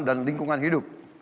dan lingkungan hidup